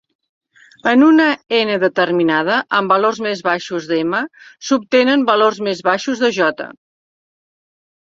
En una "n" determinada, amb valors més baixos d'"m" s'obtenen valors més baixos de "j".